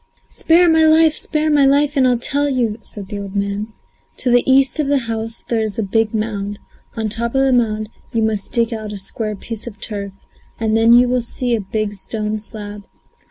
"Spare my life, spare my life, and I'll tell you!" said the old man. "To the east of the house there is a big mound; on top of the mound you must dig out a square piece of turf, and then you will see a big stone slab.